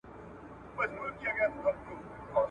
هر هېواد خپل ځانګړتیاوې لري.